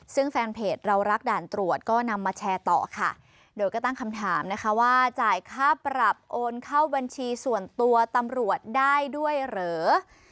ซึ่งแฟนเพจเรารักด่านตรวจก็นำมาแชร์ต่อค่ะโดยก็ตั้งคำถามนะคะว่าจ่ายค่าปรับโอนเข้าบัญชีส่วนตัวตำรวจได้ด้วยเหรอ